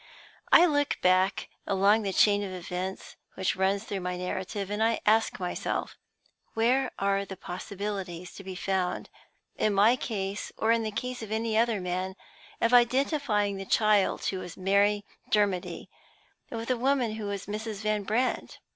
I look back along the chain of events which runs through my narrative, and I ask myself, Where are the possibilities to be found (in my case, or in the case of any other man) of identifying the child who was Mary Dermody with the woman who was Mrs. Van Brandt?